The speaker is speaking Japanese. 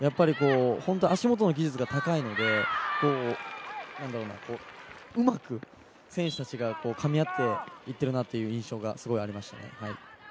足元の技術が高いので、うまく選手達がかみ合って行っているなという印象がありましたね。